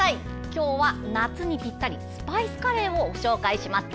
今日は夏にぴったりスパイスカレーをご紹介します。